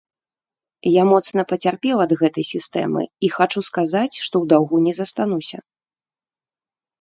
Я моцна пацярпеў ад гэтай сістэмы, і хачу сказаць, што ў даўгу не застануся.